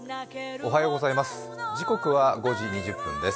おはようございます。